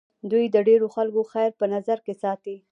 دوی د ډېرو خلکو خیر په نظر کې ساتي.